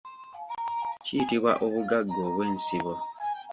Kiyitibwa obugagga obw'ensibo.